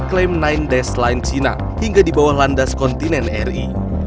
klaim sembilan cina hingga di bawah landas kontinen ri